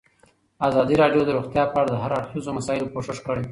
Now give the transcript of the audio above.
ازادي راډیو د روغتیا په اړه د هر اړخیزو مسایلو پوښښ کړی.